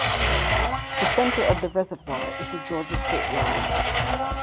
The center of the reservoir is the Georgia state line.